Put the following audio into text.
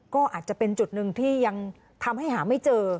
ก็อาจจะเป็นจุดหนึ่งที่ยังทำให้หาไม่เจอ